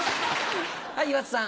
はい岩田さん。